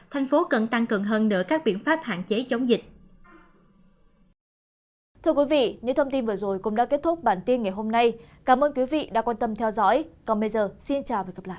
thành phố cần tăng cường hơn nữa các biện pháp hạn chế chống dịch